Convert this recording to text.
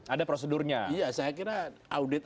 ada prosedurnya iya saya kira audit